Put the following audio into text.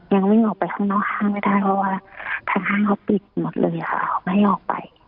ยังวิ่งออกไปข้างนอกห้างไม่ได้เพราะว่าทางห้างเขาปิดหมดเลยค่ะไม่ให้ออกไป